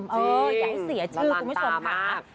เอออยากให้เสียชื่อคุณผู้ชมครับ